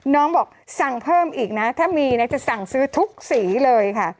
น้องบอกสั่งเพิ่มอีกนะถ้ามีนะจะสั่งซื้อทุกสีเลยค่ะ